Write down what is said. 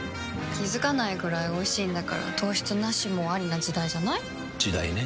気付かないくらいおいしいんだから糖質ナシもアリな時代じゃない？時代ね。